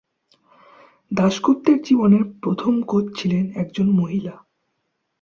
দাশগুপ্তের জীবনের প্রথম কোচ ছিলেন একজন মহিলা।